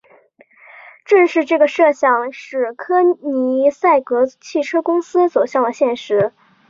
正是这个设想使柯尼塞格汽车公司走向了现实。